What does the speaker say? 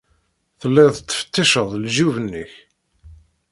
Telliḍ tettfetticeḍ lejyub-nnek.